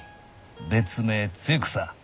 別名露草。